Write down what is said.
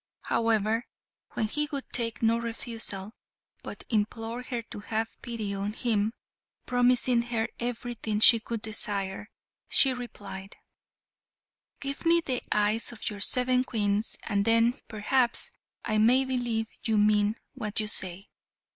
However, when he would take no refusal, but implored her to have pity on him, promising her everything she could desire, she replied, "Give me the eyes of your seven Queens, and then perhaps I may believe you mean what you say."